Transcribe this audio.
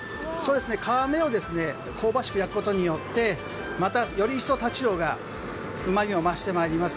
皮目を香ばしく焼くことによってまたより一層タチウオがうまみを増してまいります。